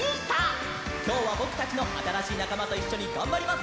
きょうはぼくたちのあたらしいなかまといっしょにがんばります！